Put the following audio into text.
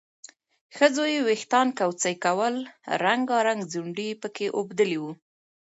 ښځو یې وېښتان کوڅۍ کول، رنګارنګ ځونډي یې پکې اوبدلي وو